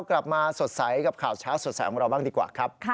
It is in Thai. กลับมาสดใสกับข่าวเช้าสดใสของเราบ้างดีกว่าครับ